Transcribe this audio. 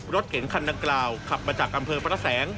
รถเก๋งคันดังกล่าวขับมาจากอำเภอพระแสง